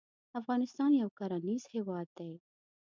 افغانستان یو کرنیز هیواد دی